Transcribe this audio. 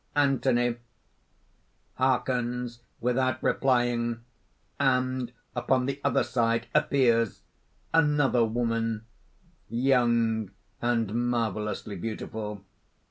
] (Anthony hearkens without replying; and upon the other side appears ANOTHER WOMAN _young and marvellously beautiful.